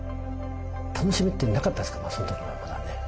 楽しみってなかったですからそん時はまだね。